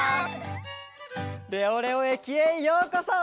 レオレオ駅へようこそ！